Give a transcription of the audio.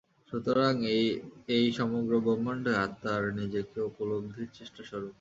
সুতরাং এই সমগ্র ব্রহ্মাণ্ডই আত্মার নিজেকে উপলব্ধির চেষ্টাস্বরূপ।